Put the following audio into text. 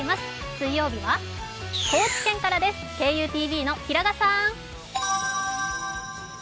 水曜日は高知県からです、ＫＵＴＶの平賀さん。